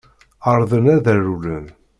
Ԑerḍen ad rewlen.